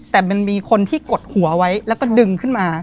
แต่มันมีคนที่กดหัวไว้แล้วก็ดึงขึ้นมา